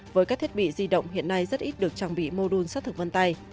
với các thiết bị di động hiện nay rất ít được trang bị mô đun xác thực vân tay